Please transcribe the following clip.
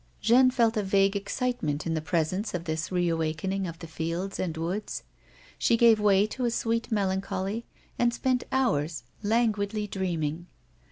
Jeanne felt a vague excitement in the presence of this reawakening of the fields and woods. She gave way to a sweet melancholy and spent hours languidly dreaming.